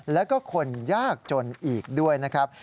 แล้วก็คนยากจนอีกด้วยนะครับ